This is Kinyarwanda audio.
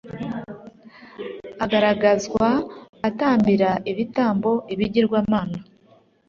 agaragazwa atambira ibitambo ibigirwamana